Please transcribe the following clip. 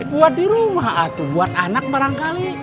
buat di rumah atau buat anak barangkali